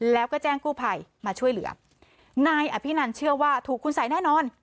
แล้วก็แจ้งกู้ภัยมาช่วยเหลือนายอภินันเชื่อว่าถูกคุณสัยแน่นอน